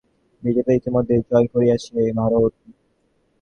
ভারত তাহার মুসলমান বিজেতাগণকে ইতোমধ্যেই জয় করিয়াছে।